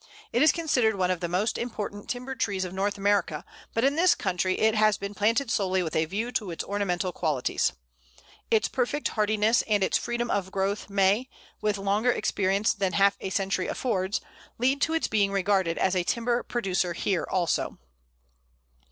It is considered one of the most important timber trees of North America; but in this country it has been planted solely with a view to its ornamental qualities. Its perfect hardiness and its freedom of growth may, with longer experience than half a century affords, lead to its being regarded as a timber producer here also.